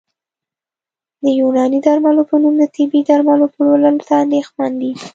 د یوناني درملو په نوم د طبي درملو پلور ته اندېښمن دي